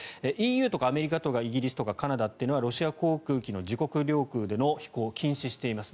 ＥＵとかアメリカとかイギリスとかカナダはロシア航空機の自国領空での飛行を禁止しています。